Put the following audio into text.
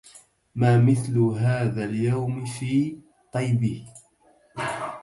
ما مثل هذا اليوم في طيبه